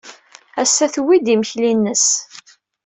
Ass-a tewwi-d imekli-nnes.